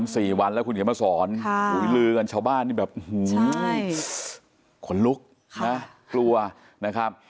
สวัสดีค่ะ